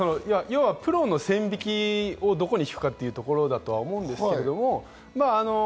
要はプロの線引きをどこに引くかというところだと思うんですけれども。